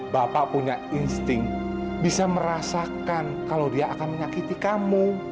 bapak punya insting bisa merasakan kalau dia akan menyakiti kamu